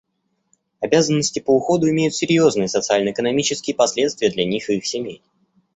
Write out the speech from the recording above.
Обязанности по уходу имеют серьезные социально-экономические последствия для них и их семей.